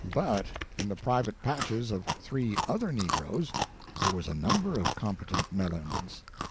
But in the private patches of three other negroes there was a number of competent melons.